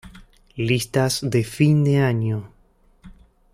Listas de fin de año